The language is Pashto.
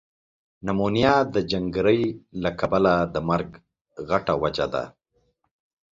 نمونیا ده جنګری له کبله ده مرګ غټه وجه ده۔